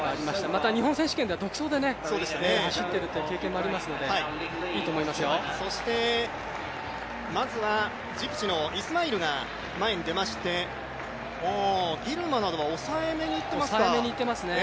また日本選手権では独走で走っているという経験もあるのでそしてまずは、ジブチのイスマイルが前に出ましてギルマなどは抑えめにいっていますか。